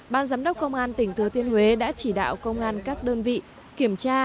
ban giám đốc công an tỉnh thứa tiên huế đã chỉ đạo công an các đơn vị kiểm tra